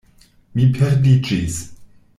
Mi perdiĝis